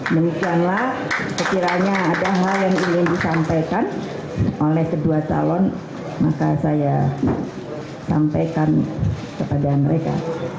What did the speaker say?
demikianlah sekiranya ada hal yang ingin disampaikan oleh kedua calon maka saya sampaikan kepada mereka